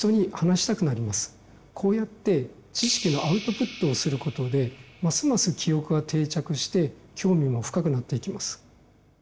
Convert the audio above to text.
こうやって知識のアウトプットをすることでますます記憶が定着して興味も深くなっていきます。